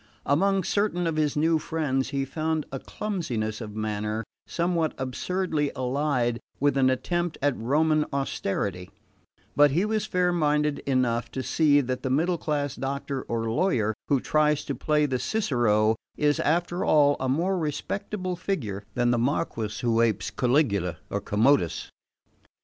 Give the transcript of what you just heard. Among certain of his new friends he found a clumsiness of manner somewhat absurdly allied with an attempt at Roman austerity; but he was fair minded enough to see that the middle class doctor or lawyer who tries to play the Cicero is, after all, a more respectable figure than the Marquess who apes Caligula or Commodus.